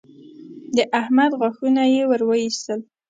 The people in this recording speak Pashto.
د احمد غاښونه يې ور واېستل